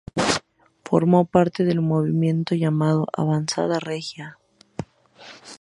Formó parte del movimiento llamado Avanzada regia.